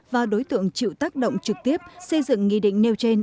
và đối tượng chịu tác động trực tiếp xây dựng nghị định nêu trên